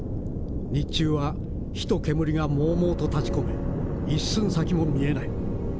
日中は火と煙がもうもうと立ちこめ一寸先も見えない。